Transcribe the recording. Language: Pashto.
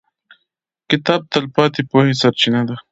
• کتاب د تلپاتې پوهې سرچینه ده.